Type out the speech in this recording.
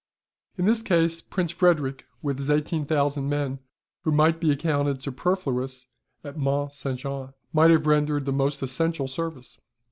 In this case Prince Frederick with his 18,000 men (who might be accounted superfluous at Mont St. Jean), might have rendered the most essential service."